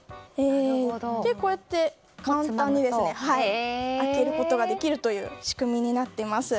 こうやって簡単に開けることができるという仕組みになっています。